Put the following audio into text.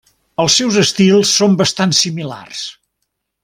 Els seus estils són bastants similars.